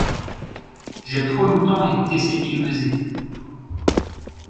J'ai trop longtemps écouté ces billevesées.